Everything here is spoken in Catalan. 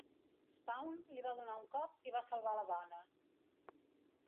Spawn li va donar un cop i va salvar la dona.